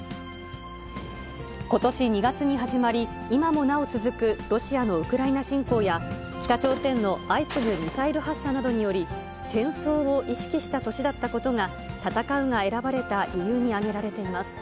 ことし２月に始まり、今もなお続くロシアのウクライナ侵攻や、北朝鮮の相次ぐミサイル発射などにより、戦争を意識した年だったことが、たたかうが選ばれた理由に挙げられています。